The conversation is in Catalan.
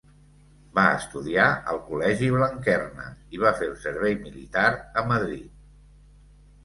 Va estudiar al col·legi Blanquerna i va fer el servei militar a Madrid.